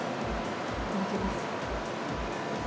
いただきます。